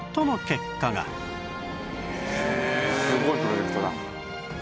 すごいプロジェクトだ。